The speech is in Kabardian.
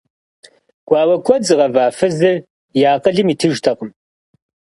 Гуауэ куэд зыгъэва фызыр и акъылым итыжтэкъым.